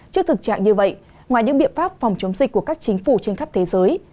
trước thực trạng như vậy ngoài những biện pháp phòng chống dịch của các chính phủ trên khắp thế giới